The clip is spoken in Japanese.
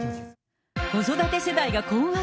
子育て世代が困惑。